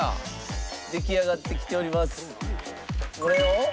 これを。